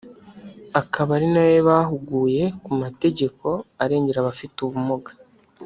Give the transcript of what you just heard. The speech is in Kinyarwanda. akaba ari nawe wabahuguye ku mategeko arengera abafite ubumuga